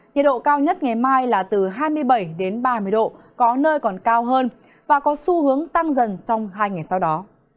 nhiệt độ cao nhất ngày mai là từ hai mươi bảy đến ba mươi độ có nơi còn cao hơn và có xu hướng tăng dần trong hai ngày sau đó